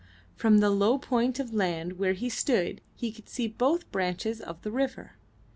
From the low point of land where he stood he could see both branches of the river.